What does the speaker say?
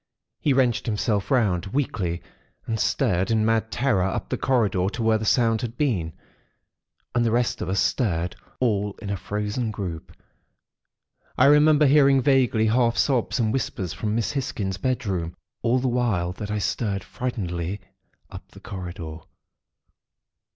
He wrenched himself round, weakly, and stared in mad terror up the corridor to where the sound had been; and the rest of us stared, all in a frozen group. I remember hearing vaguely, half sobs and whispers from Miss Hisgins' bedroom, all the while that I stared, frightenedly, up the corridor.